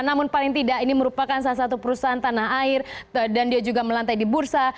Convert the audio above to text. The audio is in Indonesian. namun paling tidak ini merupakan salah satu perusahaan tanah air dan dia juga melantai di bursa